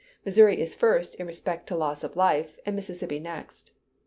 Missouri is first in respect to loss of life, and Mississippi next.